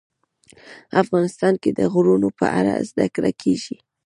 افغانستان کې د غرونه په اړه زده کړه کېږي.